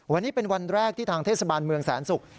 วันนี้เป็นวันแรกที่ทางเทศบาลเมืองแสนศุกร์